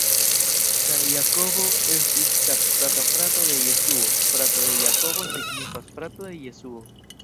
Ĉar Jakobo estis taksata frato de Jesuo, frato de Jakobo signifas frato de Jesuo.